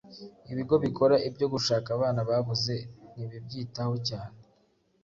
ibigo bikora ibyo gushaka abana babuze ntibibyitaho cyane